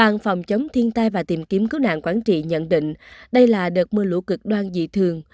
ban phòng chống thiên tai và tìm kiếm cứu nạn quảng trị nhận định đây là đợt mưa lũ cực đoan dị thường